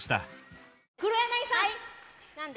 黒柳さん！